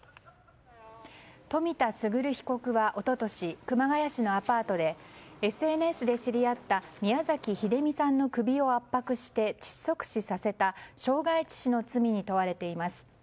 冨田賢被告は一昨年熊谷市のアパートでＳＮＳで知り合った宮崎英美さんの首を圧迫して窒息死させた傷害致死の罪に問われています。